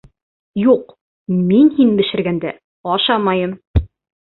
Юҡ, мин һин бешергәнде ашамайым!